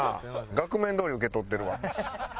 額面どおり受け取ってるわ。